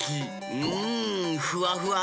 うんふわふわ！